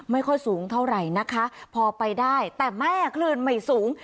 ไม่ค่อยสูงเท่าไหร่นะคะพอไปได้แต่แม่คลื่นไม่สูง